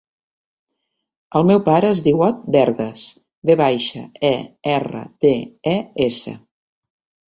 El meu pare es diu Ot Verdes: ve baixa, e, erra, de, e, essa.